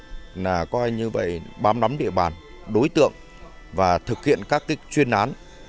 nên là coi như vậy bám nắm địa bàn đối tượng và thực hiện các chuyên án